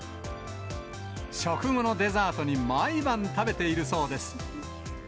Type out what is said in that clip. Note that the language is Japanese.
食後のデザートに、毎晩食べているそうです。